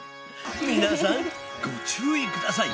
皆さんご注意下さい。